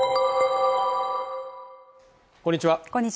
こんにちは